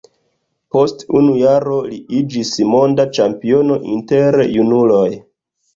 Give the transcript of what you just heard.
Post unu jaro li iĝis monda ĉampiono inter junuloj.